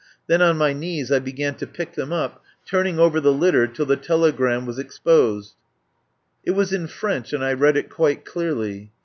Then on my knees I began to pick them up, turn ing over the litter till the telegram was ex posed. It was in French and I read it quite clearly.